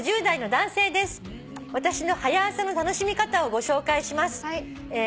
「私の『はや朝』の楽しみ方をご紹介します」